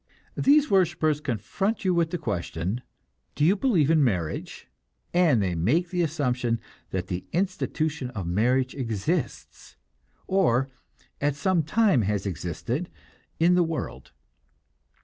These worshippers confront you with the question, do you believe in marriage; and they make the assumption that the institution of marriage exists, or at some time has existed in the world.